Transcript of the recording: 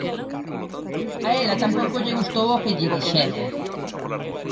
A ela tampouco lle gustou o que lle dixeron.